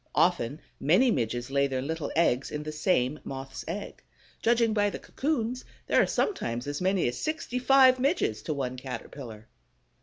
Often many Midges lay their little eggs in the same Moth's egg. Judging by the cocoons, there are sometimes as many as sixty five Midges to one Caterpillar.